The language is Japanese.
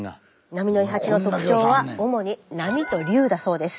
波の伊八の特徴は主に波と竜だそうです。